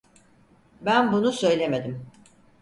Ben bunu söylemedim.